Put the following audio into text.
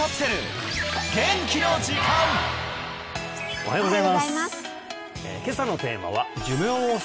おはようございます